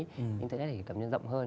thì em có thể cảm nhận rộng hơn